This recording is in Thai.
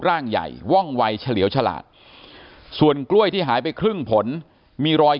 ร่างใหญ่ว่องวัยเฉลี่ยวฉลาดส่วนกล้วยที่หายไปครึ่งผลมีรอย